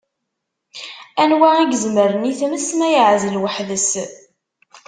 Anwa i yezemren i tmes, ma yeɛzel weḥd-s?